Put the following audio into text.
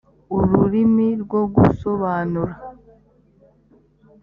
ururimi rwo gusobanura